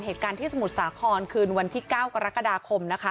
เหตุการณ์ที่สมุทรสาครคืนวันที่๙กรกฎาคมนะคะ